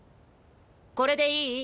これでいい？